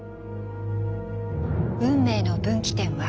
運命の分岐点は。